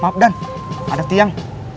maaf dan ada tiang